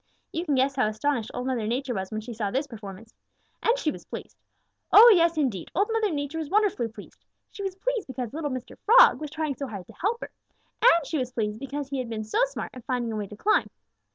"You can guess how astonished Old Mother Nature was when she saw this performance. And she was pleased. Oh, yes, indeed, Old Mother Nature was wonderfully pleased. She was pleased because little Mr. Frog was trying so hard to help her, and she was pleased because he had been so smart in finding a way to climb.